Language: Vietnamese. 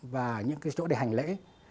và những cái chỗ để hành lễ